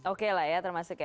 oke lah ya termasuk ya